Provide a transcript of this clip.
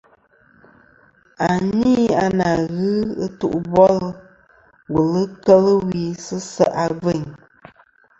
A ni a na ghɨ ɨtu bolɨ wùl kel wi sɨ se ' a gveyn.